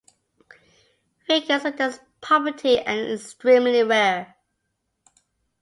Figures with this property are extremely rare.